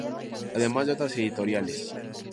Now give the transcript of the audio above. Además de otras editoriales.